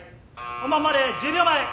本番まで１０秒前。